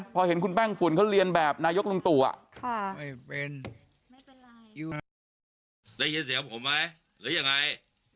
พอเห็นคุณแป้งฝุ่นเขาเรียนแบบนายกลุงตู่ไม่เป็นไม่เป็นไรได้ยินเสียงผมไหมหรือยังไง